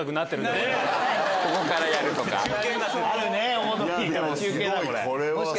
ここからやるとか。